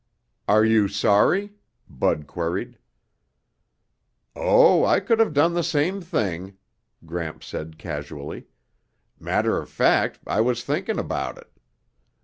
"Are you sorry?" Bud queried. "Oh, I could have done the same thing," Gramps said casually. "Matter of fact, I was thinking about it.